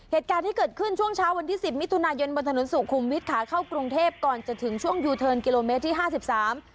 เหตุการณ์ที่เกิดขึ้นช่วงเช้าวันที่สิบมิถุนายนบนถนนสุขุมวิทย์ขาเข้ากรุงเทพก่อนจะถึงช่วงยูเทิร์นกิโลเมตรที่ห้าสิบสาม